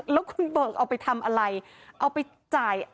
แล้วคุณเบิกเอาไปทำอะไรเอาไปจ่าย